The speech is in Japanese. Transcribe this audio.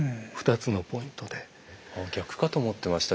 あっ逆かと思ってました。